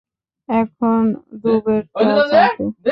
এখন ডুবেরটা চাটে।